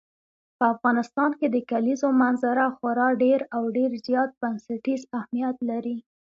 په افغانستان کې د کلیزو منظره خورا ډېر او ډېر زیات بنسټیز اهمیت لري.